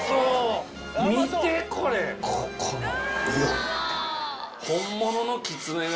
ここの色！